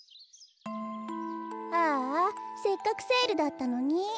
ああせっかくセールだったのに。